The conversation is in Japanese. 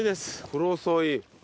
クロソイ。